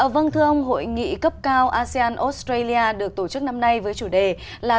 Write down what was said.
vâng thưa ông hội nghị cấp cao asean australia được tổ chức năm nay với chủ đề là